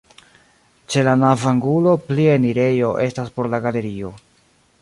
Ĉe la navoangulo plia enirejo estas por la galerio.